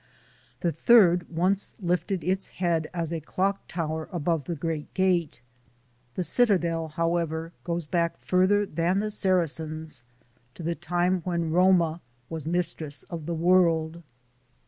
The third once lifted its head as a clock tower above the Great Gate. The citadel, however, goes back farther than the Sara cens, to the time when Roma was mistress of the world.